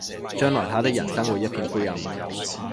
將來他的人生就會一片灰暗